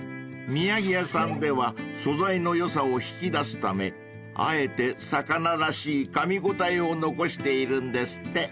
［宮城屋さんでは素材のよさを引き出すためあえて魚らしいかみ応えを残しているんですって］